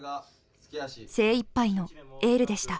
精いっぱいのエールでした。